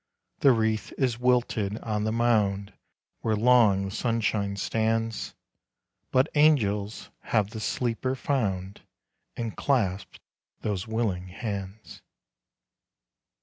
The wreath is wilted on the mound Where long the sunshine stands, But angels have the sleeper found, And clasped those willing hands.